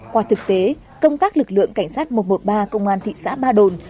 qua thực tế công tác lực lượng cảnh sát một trăm một mươi ba công an thị xã ba đồn